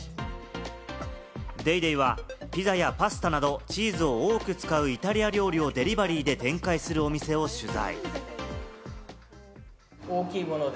『ＤａｙＤａｙ．』はピザやパスタなどチーズを多く使うイタリア料理をデリバリーで展開するお店を取材。